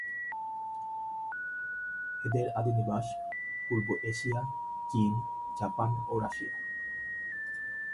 এদের আদি নিবাস পূর্ব এশিয়া, চীন, জাপান ও রাশিয়া।